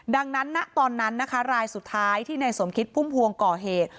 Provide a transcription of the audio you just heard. ดังนั้นณตอนนั้นนะคะรายสุดท้ายที่ในสมคิดพุ่มพวงก่อเหตุ